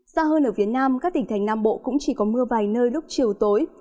xa hơn ở phía nam các tỉnh thành nam bộ cũng chỉ có mưa vài nơi lúc chiều tối